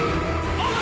おい！